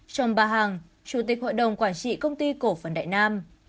trong bà hằng chủ tịch hội đồng quản trị công ty cổ phần đại nam